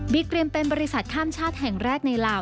เกรียมเป็นบริษัทข้ามชาติแห่งแรกในลาว